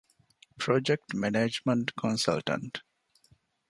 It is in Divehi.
ޕްރޮޖެކްޓް މެނޭޖްމަންޓް ކޮންސަލްޓަންޓް